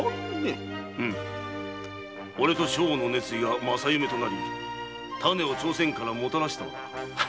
オレと将翁の熱意が正夢となり種を朝鮮からもたらしたのだ。